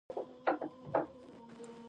استاد د همت او جرئت الهام دی.